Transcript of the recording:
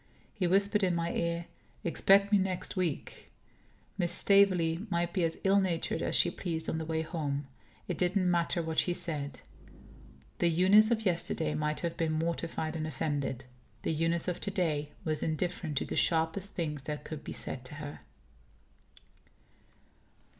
He whispered in my ear: "Expect me next week." Miss Staveley might be as ill natured as she pleased, on the way home. It didn't matter what she said. The Eunice of yesterday might have been mortified and offended. The Eunice of to day was indifferent to the sharpest things that could be said to her.